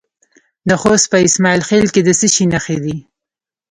د خوست په اسماعیل خیل کې د څه شي نښې دي؟